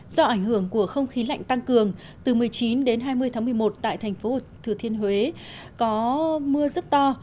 do ảnh hưởng của không khí lạnh tăng cường từ một mươi chín đến hai mươi tháng một mươi một tại thành phố thừa thiên huế có mưa rất to